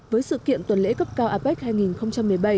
với sự kiện tuần lễ cấp cao apec hai nghìn một mươi bảy